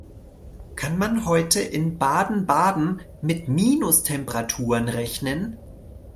Kann man heute in Baden-Baden mit Minustemperaturen rechnen?